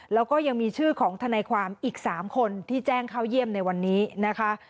แล้วก็ยังมีชื่อของทนายความอีก๓คนที่แจ้งเข้าเยี่ยมในวันนี้นะคะ